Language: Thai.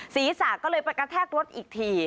ศีรษะก็เลยไปกระแทกรถอีกที